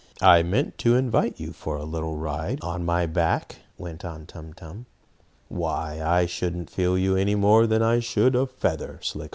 "I meant to invite you for a little ride on my back," went on Tum Tum. "Why, I shouldn't feel you any more than I should a feather, Slicko.